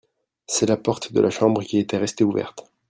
c'est la porte de la chambre qui était resté ouverte.